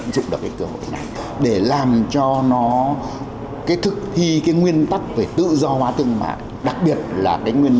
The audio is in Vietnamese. giữ được cơ hội này để làm cho nó thực thi nguyên tắc về tự do hóa thương mại đặc biệt là nguyên